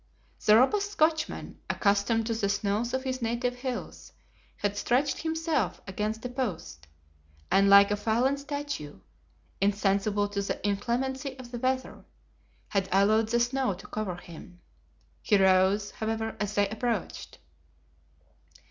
The robust Scotchman, accustomed to the snows of his native hills, had stretched himself against a post, and like a fallen statue, insensible to the inclemency of the weather, had allowed the snow to cover him. He rose, however, as they approached.